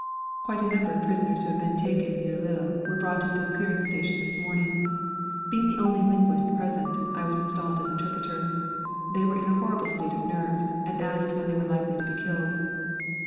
Quite a number of prisoners who had been taken near Lille were brought into the clearing station this morning. Being the only linguist present, I was installed as interpreter. They were in a horrible state of nerves, and asked when they were likely to be killed.